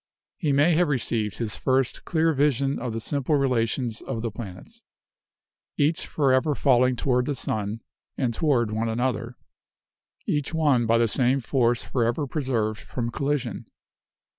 He may have received his first clear vision of the simple relations of the planets, each forever falling toward the sun and toward one another, each one by the same force forever preserved from collision.